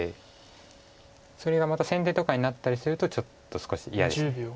それがまた先手とかになったりするとちょっと少し嫌です。